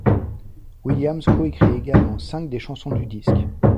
Williams coécrit également cinq des chansons du disque.